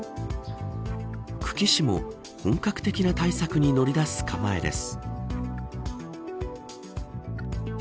久喜市も本格的な対策に乗り出す構えです。